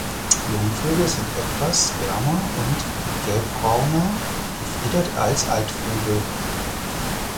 Jungvögel sind etwas wärmer und gelbbrauner gefiedert als Altvögel.